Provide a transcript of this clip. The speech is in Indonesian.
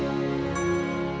hidup ujang hidup ujang